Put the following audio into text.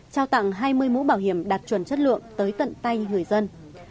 trao tặng hai mươi mũ bảo hiểm đạt chuẩn chất lượng tới tận tay người dân